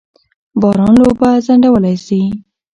باران لوبه ځنډولای سي.